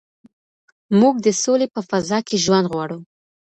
موږ د سولې په فضا کي ژوند غواړو.